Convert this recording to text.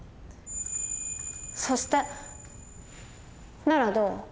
「そして」ならどう？